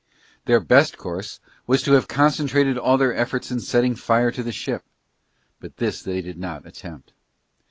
Their best course was to have concentrated all their efforts in setting fire to the ship but this they did not attempt.